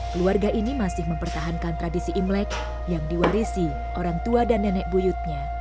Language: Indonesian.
keluarga ini masih mempertahankan tradisi imlek yang diwarisi orang tua dan nenek buyutnya